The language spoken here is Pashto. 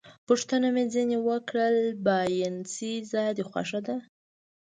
پوښتنه مې ځنې وکړل: باینسېزا دې خوښه ده؟